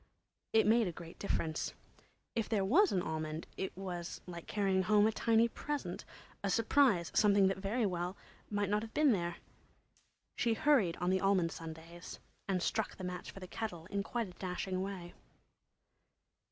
It made a great difference. If there was an almond it was like carrying home a tiny present—a surprise—something that might very well not have been there. She hurried on the almond Sundays and struck the match for the kettle in quite a dashing way.